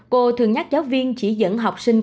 cô thường nhắc giáo viên chỉ dẫn học sinh